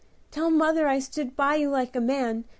Tell mother I stood by you like a man.